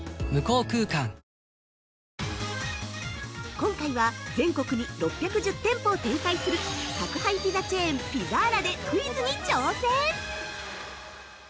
◆今回は全国に６１０店舗を展開する宅配ピザチェーン・ピザーラでクイズに挑戦！